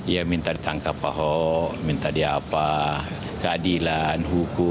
ya minta ditangkap pahok minta dia apa keadilan